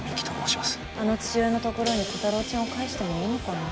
あの父親のところにコタローちゃんを返してもいいのかな。